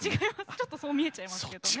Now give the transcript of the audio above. ちょっとそう見えちゃいますけどね。